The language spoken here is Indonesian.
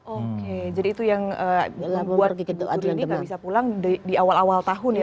oke jadi itu yang membuat bu rini nggak bisa pulang di awal awal tahun ya